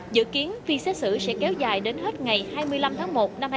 dự kiến phi xét xử sẽ kéo dài đến hết ngày hai mươi năm tháng một